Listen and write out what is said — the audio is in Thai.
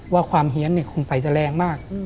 ว่าความเฮียนคงใส่จะแรงมาก